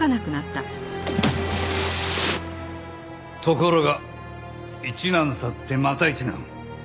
ところが一難去ってまた一難。